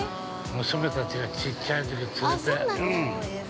◆娘たちが小っちゃいときつれて。